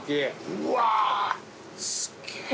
うわあすげえ。